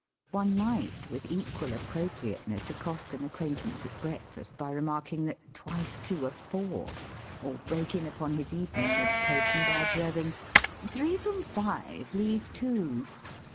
One might with equal appropriateness accost an acquaintance at breakfast by remarking that " Twice two are four," or break in upon his evening meditation by observing, '^ Three from five leave two."